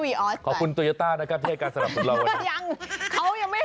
วีออสขอบคุณโตยอต้านะคะที่ให้การสนับสนุนเรายังเขายังไม่